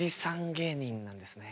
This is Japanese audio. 芸人なんですね。